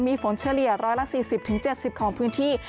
มีฝนเฉลี่ย๑๔๐๗๐ของพื้นที่